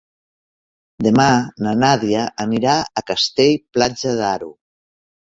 Demà na Nàdia anirà a Castell-Platja d'Aro.